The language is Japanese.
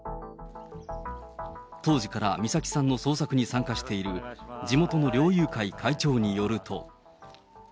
当時から美咲さんの捜索に参加している地元の猟友会会長によると。